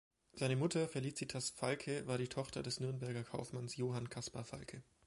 Seine Mutter, Felicitas Falcke, war die Tochter des Nürnberger Kaufmanns Johann Caspar Falcke.